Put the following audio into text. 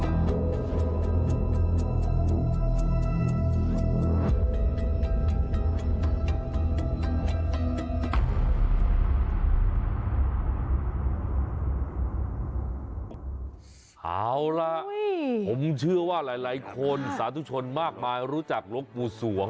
เอาล่ะผมเชื่อว่าหลายคนสาธุชนมากมายรู้จักหลวงปู่สวง